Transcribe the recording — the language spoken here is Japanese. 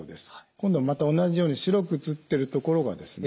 今度はまた同じように白く映っているところがですね